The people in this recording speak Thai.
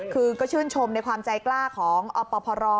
คือก็ชื่นชมในความใจกล้าของอพร